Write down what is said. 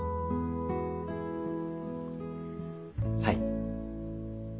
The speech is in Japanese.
はい。